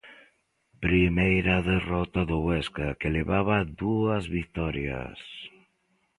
Primeira derrota do Huesca que levaba dúas vitorias.